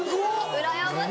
うらやましい。